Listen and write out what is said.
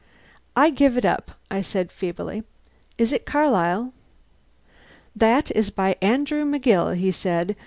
"I give it up," I said feebly. "Is it Carlyle?" "That is by Andrew McGill," he said.